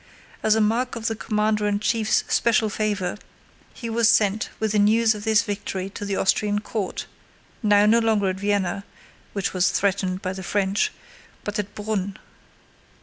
As a mark of the commander in chief's special favor he was sent with the news of this victory to the Austrian court, now no longer at Vienna (which was threatened by the French) but at Brünn.